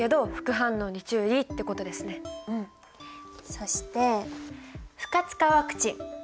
そして不活化ワクチン。